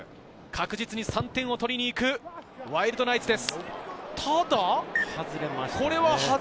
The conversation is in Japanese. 確実に３点を取りに行くワイルドナイツです。